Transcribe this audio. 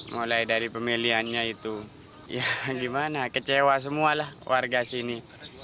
mulai dari pemilihannya itu ya gimana kecewa semua lah warga sini